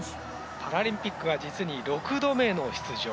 パラリンピックは実に６度目の出場。